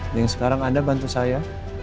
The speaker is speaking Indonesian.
sekarang anda bantu saya